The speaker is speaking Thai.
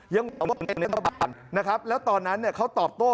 ยังว่าแล้วตอนนั้นเขาตอบโต้